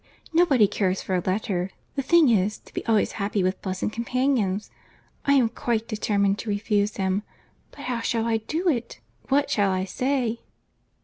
Nobody cares for a letter; the thing is, to be always happy with pleasant companions. I am quite determined to refuse him. But how shall I do? What shall I say?"